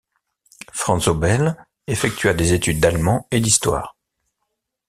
Franzobel effectua des études d'allemand et d'histoire.